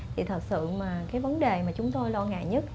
thì thật sự mà cái vấn đề mà chúng tôi lo ngại nhất